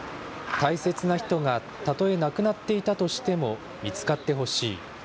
大切な人がたとえ亡くなっていたとしても見つかってほしい。